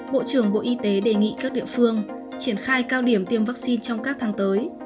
bộ trưởng bộ y tế đề nghị các địa phương triển khai cao điểm tiêm vaccine trong các tháng tới